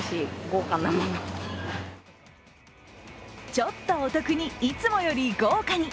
ちょっとお得にいつもより豪華に。